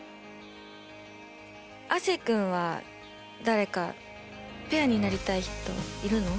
亜生君は誰かペアになりたい人いるの？